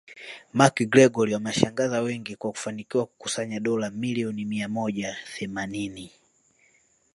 McGregor amewashangaza wengi kwa kufanikiwa kukusanya dola milioni mia moja themanini